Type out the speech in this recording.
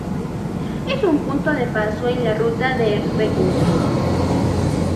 Es un punto de paso en la Ruta de la Reconquista.